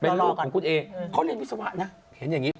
เป็นลูกของคุณเอเขาเรียนวิศวะนะเห็นอย่างนี้